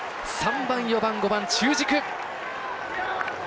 ３番、４番、５番、中軸！